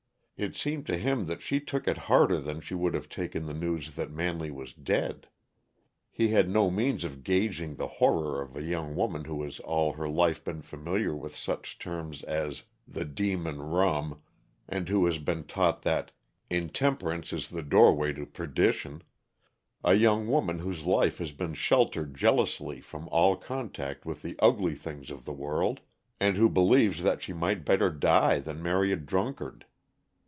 It seemed to him that she took it harder than she would have taken the news that Manley was dead. He had no means of gauging the horror of a young woman who has all her life been familiar with such terms as "the demon rum," and who has been taught that "intemperance is the doorway to perdition"; a young woman whose life has been sheltered jealously from all contact with the ugly things of the world, and who believes that she might better die than marry a drunkard.